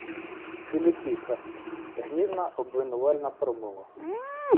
Філіппіка — гнівна обвинувальна промова